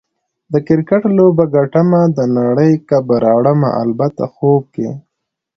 د کرکټ لوبه ګټمه، د نړۍ کپ به راوړمه - البته خوب کې